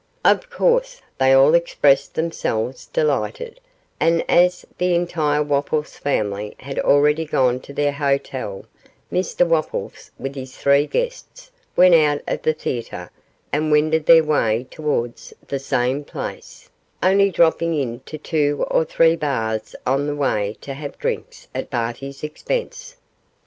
Of course, they all expressed themselves delighted, and as the entire Wopples family had already gone to their hotel, Mr Wopples with his three guests went out of the theatre and wended their way towards the same place, only dropping into two or three bars on the way to have drinks at Barty's expense.